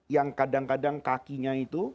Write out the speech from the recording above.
yang kadang kadang kakinya itu